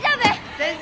先生！